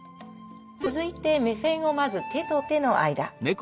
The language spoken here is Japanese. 続いて目線をまず手と手の間。